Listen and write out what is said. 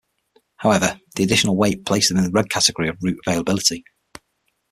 However, the additional weight placed them in the Red category of route availability.